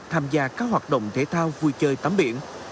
tham gia các hoạt động thể thao vui chơi tắm biển